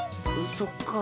そっか。